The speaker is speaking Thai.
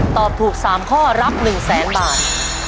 ตอบถูก๓ข้อรับ๑แสนบาท